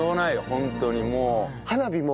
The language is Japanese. ホントにもう。